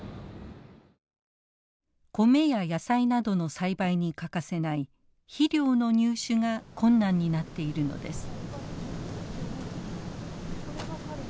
コメや野菜などの栽培に欠かせない肥料の入手が困難になっているのです。